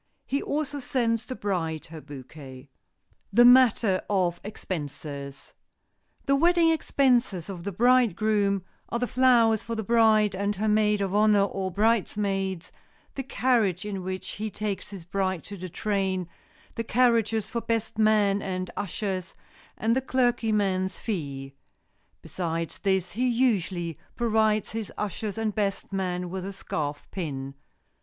He also sends the bride her bouquet. [Sidenote: THE MATTER OF EXPENSES] The wedding expenses of the bridegroom are the flowers for the bride and her maid of honor or bridesmaids, the carriage in which he takes his bride to the train, the carriages for best man and ushers, and the clergyman's fee. Besides this, he usually provides his ushers and best man with a scarf pin.